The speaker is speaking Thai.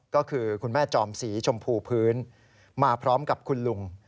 ก็คือคุณแม่จอมสีชมพูพื้นมาพร้อมกับคุณลุง